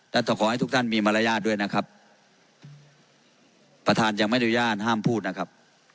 และขอให้ทุกท่านมีมารยาทด้วยนะครับประธานยังไม่อนุญาตห้ามพูดนะครับ